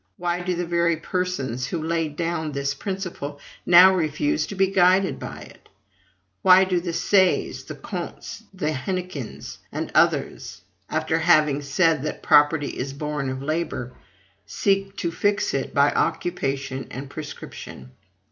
Why do the very persons, who laid down this principle, now refuse to be guided by it? Why do the Says, the Comtes, the Hennequins, and others after having said that property is born of labor seek to fix it by occupation and prescription?